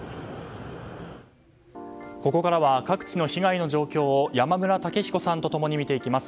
ここからは各地の被害の状況を山村武彦さんと共に見ていきます。